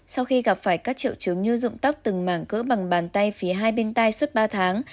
sau khi gặp phải các triệu chứng như dụng tóc từng mảng cỡ bằng bàn tay phía hai bên tay suốt ba tháng